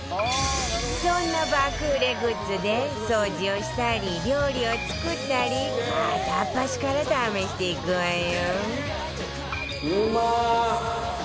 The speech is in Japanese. そんな爆売れグッズで掃除をしたり料理を作ったり片っ端から試していくわよ